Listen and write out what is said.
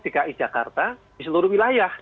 tiga i jakarta di seluruh wilayah